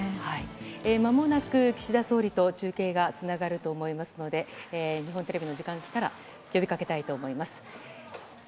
まもなく岸田総理と中継がつながると思いますので、日本テレビの時間が来たら、呼びかけたいと思います。